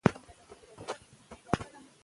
که موږ خپلواکي وساتو، نو کلتور به تل رنګین وي.